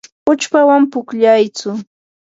uchpawan pukllayaytsu.